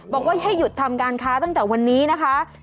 บอกว่าให้หยุดทำการค้าตั้งแต่วันนี้นะคะ